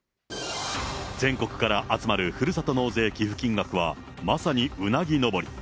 全国から集まるふるさと納税寄付金額はまさにうなぎのぼり。